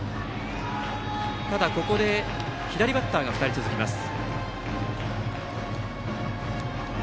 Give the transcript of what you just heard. ただ、ここで左バッターが２人続きます。